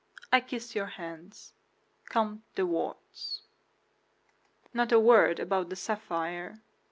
I kiss your hands. COMTE DE WARDES Not a word about the sapphire.